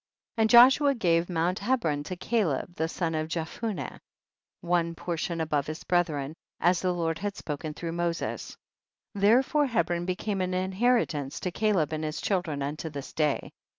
17. And Joshua gave Mount He bron to Caleb the son of Jephuneh, one portion above his brethren, as the Lord had spoken through Mo ses. 18. Therefore Hebron became an inheritance to Caleb and his children unto this day.